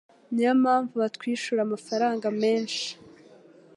Niyo mpamvu batwishura amafaranga menshi.